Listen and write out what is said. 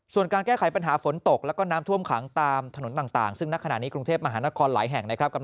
ส่วนการแก้ไขปัญหาฝนตกแล้วก็น้ำท่วมขังตามถนนต่างซึ่งณขณะนี้กรุงเทพมหานครหลายแห่งนะครับ